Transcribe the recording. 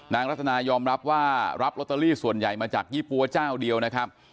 รัฐนายอมรับว่ารับลอตเตอรี่ส่วนใหญ่มาจากยี่ปั๊วเจ้าเดียวนะครับ